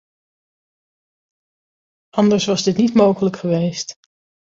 Anders was dit niet mogelijk geweest.